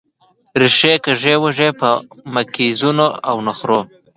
ریښې کږې وږې په مکیزونو او نخرو